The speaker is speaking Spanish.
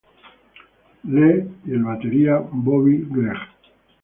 Lee y el batería Bobby Gregg.